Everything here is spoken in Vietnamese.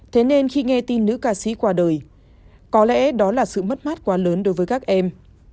thế nên khi nghe tin nữ ca sĩ qua đời có lẽ đó là sự mất mát quá lớn đối với các em